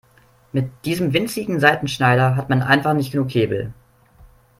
Mit diesem winzigen Seitenschneider hat man einfach nicht genug Hebel.